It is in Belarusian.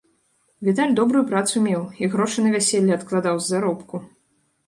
Віталь добрую працу меў, і грошы на вяселле адкладаў з заробку.